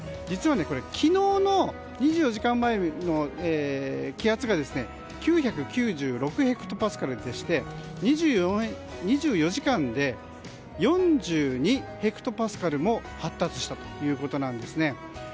実はこれ、２４時間前の気圧が９９６ヘクトパスカルでして２４時間で４２ヘクトパスカルも発達したということですね。